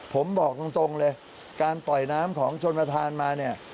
ผมบอกตรงเลยการปล่อยน้ำของชนประธานมาเนี่ย